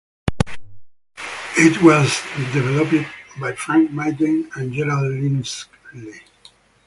It was developed by Frank Maddin and Gerald Lindsly.